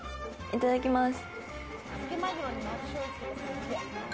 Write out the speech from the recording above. いただきます！